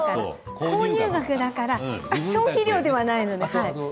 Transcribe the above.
購入額だから消費量ではないので。